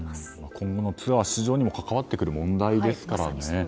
今後のツアー出場にも関わってくる問題ですからね。